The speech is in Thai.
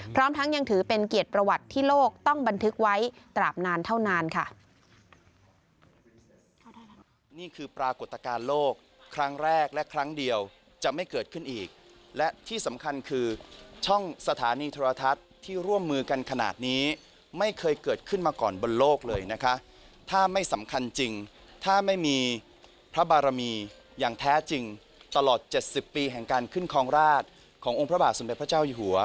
พร้อมทั้งยังถือเป็นเกียรติประวัติที่โลกต้องบันทึกไว้ตราบนานเท่านานค่ะ